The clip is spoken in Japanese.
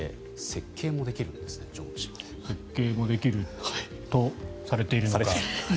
設計もできるとされているのか。